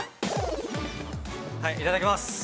◆いただきます。